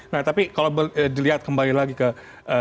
nah tapi kalau dilihat kembali lagi ke